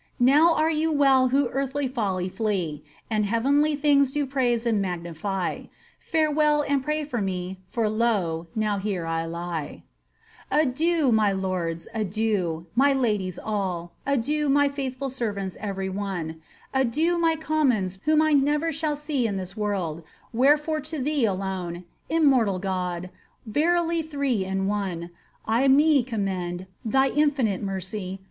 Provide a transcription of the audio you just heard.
Now are you well who earthly fiiUy flee, And heavenly things do praise and magniiy, Farewell, and pray for me, for lo 1 now here I lie I Adieu, my lords, adieu ; my ladies all ; Adieu, ray faithful servants every one ; Adieu, my commons, whom I never shall See in this world — wherefore to Thee alone, Immortal God, verily three in one. I me commend ; thy infinite mercy.